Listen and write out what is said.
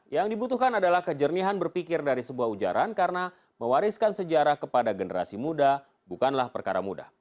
yang dibutuhkan adalah kejernihan berpikir dari sebuah ujaran karena mewariskan sejarah kepada generasi muda bukanlah perkara mudah